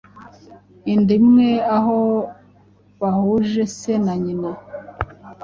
inda imwe, aho bahuje se na nyina